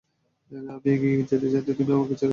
এখন আমি এগিয়ে যেতে চাচ্ছি আর তুমি আমাকে ছেড়ে চলে যাচ্ছো!